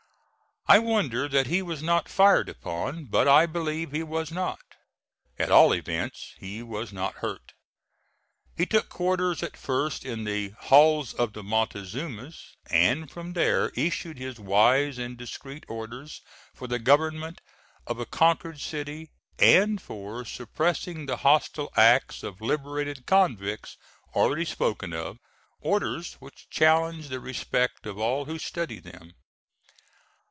I wonder that he was not fired upon, but I believe he was not; at all events he was not hurt. He took quarters at first in the "Halls of the Montezumas," and from there issued his wise and discreet orders for the government of a conquered city, and for suppressing the hostile acts of liberated convicts already spoken of orders which challenge the respect of all who study them.